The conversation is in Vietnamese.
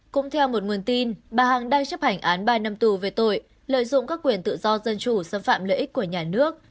cũng theo một nguồn tin bà hằng đang chấp hành án ba năm tù về tội lợi dụng các quyền tự do dân chủ xâm phạm lợi ích của nhà nước